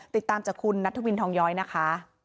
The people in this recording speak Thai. ติดตามจากคุณนัทวินทองย้อยนะคะ